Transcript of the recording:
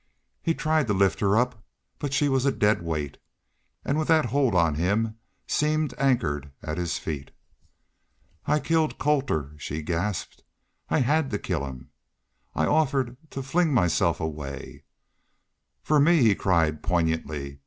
He tried to lift her up, but she was a dead weight, and with that hold on him seemed anchored at his feet. "I killed Colter," she gasped. "I HAD to kill him! ... I offered to fling myself away...." "For me!" he cried, poignantly.